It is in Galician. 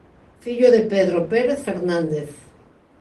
Fillo de Pedro Pérez Fernández.